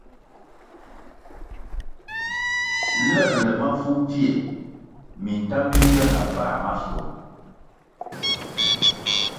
Lebʼle mafu pfie, minta mi ywia na pa maschwong.